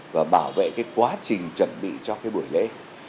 và bảo vệ cái quá trình chuẩn bị cho cái buổi lễ